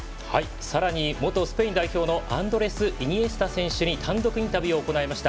さらに、元スペイン代表のアンドレス・イニエスタ選手に単独インタビューを行いました。